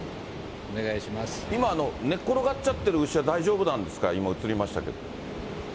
今、寝っ転がっちゃってる牛は大丈夫なんですか、今、映りましたけど。